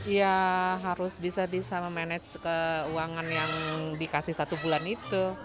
ya harus bisa bisa memanage keuangan yang dikasih satu bulan itu